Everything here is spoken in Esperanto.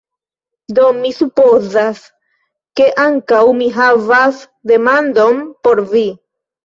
Do, mi supozas, ke ankaŭ mi havas demandon por vi!